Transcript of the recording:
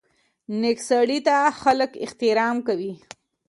نیکه سړي ته خلکو احترام کوي.